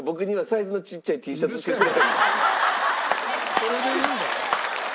それでいいんだよ。